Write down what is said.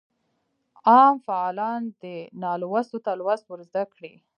عام فعالان دي نالوستو ته لوست ورزده کړي.